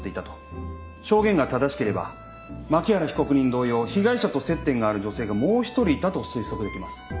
証言が正しければ槇原被告人同様被害者と接点がある女性がもう１人いたと推測できます。